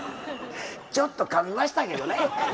ちょっとかみましたけどね。